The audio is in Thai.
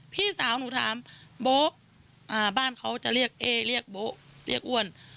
พี่สาวหนูถามโบ๊ะบ้านเขาจะเรียกเอ๊เรียกโบ๊ะเรียกอ้วน